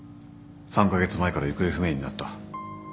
３カ月前から行方不明になった。